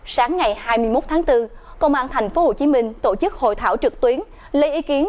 sáng ngày hai mươi một tháng bốn công an tp hcm tổ chức hội thảo trực tuyến lấy ý kiến